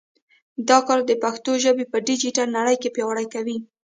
دا کار د پښتو ژبه په ډیجیټل نړۍ کې پیاوړې کوي.